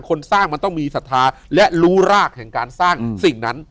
คนสร้างมันต้องมีศรัทธาและรู้รากแห่งการสร้างสิ่งนั้น